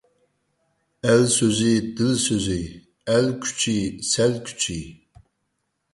ئەل سۆزى — دىل سۆزى. ئەل كۈچى — سەل كۈچى.